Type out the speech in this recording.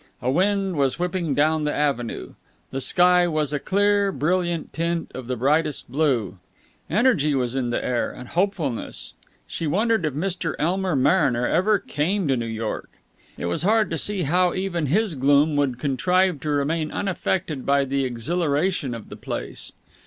A wind was whipping down the avenue. The sky was a clear, brilliant tint of the brightest blue. Energy was in the air, and hopefulness. She wondered if Mr. Elmer Mariner ever came to New York. It was hard to see how even his gloom would contrive to remain unaffected by the exhilaration of the place.